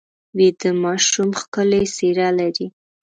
ویده ماشوم ښکلې څېره لري